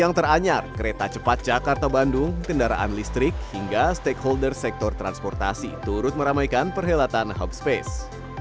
yang teranyar kereta cepat jakarta bandung kendaraan listrik hingga stakeholder sektor transportasi turut meramaikan perhelatan hopspace